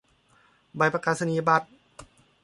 ใบประกาศนียบัตร